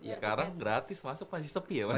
sekarang gratis masuk pasti sepi ya mas